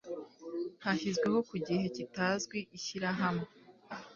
Hashyizweho ku gihe kitazwi Ishyirahamwe